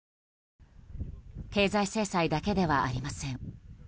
経済制裁だけではありません。